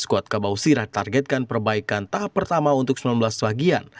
watkabau sirah targetkan perbaikan tahap pertama untuk sembilan belas bagian